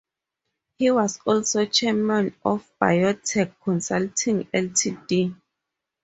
He was also chairman of Biotech Consulting Ltd.